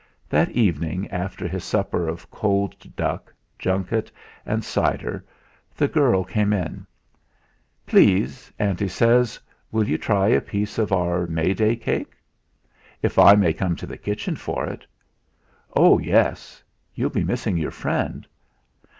That evening, after his supper of cold duck, junket, and cider, the girl came in. "Please, auntie says will you try a piece of our Mayday cake?" "If I may come to the kitchen for it." "Oh, yes! You'll be missing your friend."